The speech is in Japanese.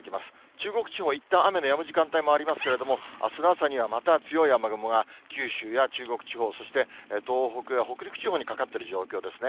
中国地方、いったん雨のやむ時間帯もありますけれども、あすの朝にはまた、強い雨雲が九州や中国地方、そして、東北や北陸地方にかかってる状況ですね。